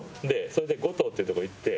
それで五島っていうとこ行って。